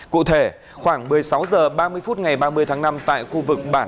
cụ thể khoảng một mươi sáu h ba mươi phút ngày ba mươi tháng năm tại khu vực bản